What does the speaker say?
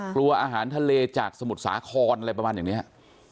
กลัวอาหารทะเลจากสมุทรสาครอะไรประมาณอย่างนี้